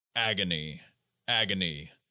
Agony ! Agony !